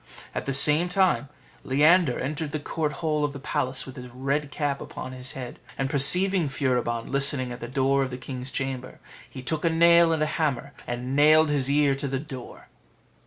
At the same time, Leander entered the court hall of the palace with his red cap upon his head, and perceiving Furibon listening at the door of the king's chamber, he took a nail and a hammer, and nailed his ear to the door.